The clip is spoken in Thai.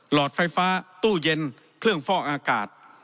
หลอดไฟฟ้าตู้เย็นเครื่องฟอกอากาศ